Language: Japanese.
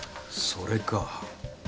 それか。